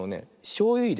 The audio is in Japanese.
しょうゆいれね